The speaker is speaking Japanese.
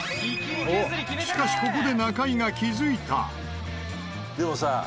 しかしここで中井が気づいた。